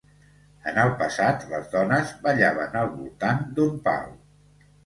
En el passat, les dones ballaven al voltant d'un pal.